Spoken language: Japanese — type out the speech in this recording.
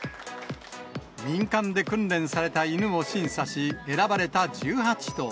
民間で訓練された犬を審査し、選ばれた１８頭。